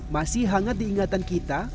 masih hangat diingatan kita